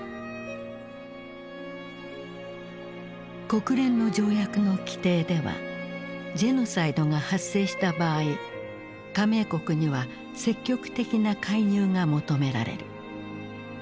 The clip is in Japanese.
国連の条約の規定ではジェノサイドが発生した場合加盟国には積極的な介入が求められる。